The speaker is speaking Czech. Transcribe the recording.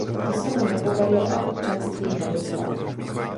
To se mu nepovedlo a občanství nedostal.